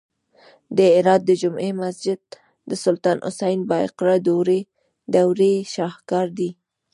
د هرات د جمعې مسجد د سلطان حسین بایقرا دورې شاهکار دی